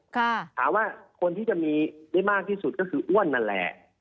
ถามว่าคนที่จะมีได้มากที่สุดก็คืออ้วนนั่นแหละ